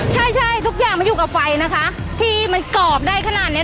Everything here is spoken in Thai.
ใช่ใช่ทุกอย่างมันอยู่กับไฟนะคะที่มันกรอบได้ขนาดเนี้ย